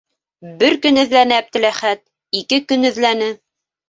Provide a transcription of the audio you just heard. Бер көн эҙләне Әптеләхәт, ике көн эҙләне.